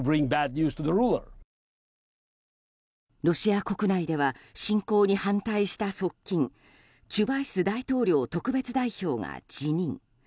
ロシア国内では侵攻に反対した側近チュバイス大統領特別代表が辞任。